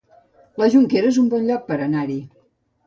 La Jonquera es un bon lloc per anar-hi